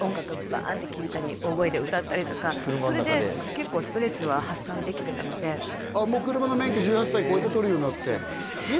バンって聴いたり大声で歌ったりとかそれで結構ストレスは発散できてたのでもう車の免許１８歳こえて取るようになって？